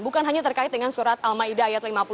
bukan hanya terkait dengan surat al ma'idah ayat lima puluh satu